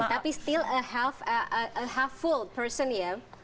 tapi masih seorang half full ya